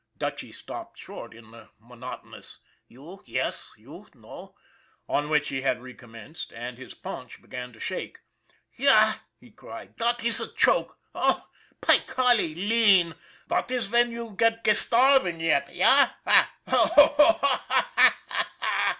Dutchy stopped short in the monotonous, " You, yess; you, no," on which he had recommenced, and his paunch began to shake. "Yah!" he cried. "Dot iss a joke. Oh, py golly, lean! Dot iss ven you ge starving get, yah? Ho, ho ! Ha, ha